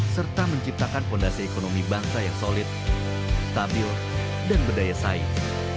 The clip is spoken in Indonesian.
serta menciptakan fondasi ekonomi bangsa yang solid stabil dan berdaya saing